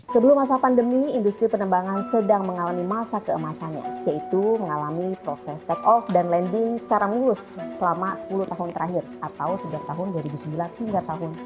sebelum masa pandemi industri penembangan sedang mengalami masa keemasannya yaitu mengalami proses take off dan landing secara mulus selama sepuluh tahun terakhir atau sejak tahun dua ribu sembilan hingga tahun dua ribu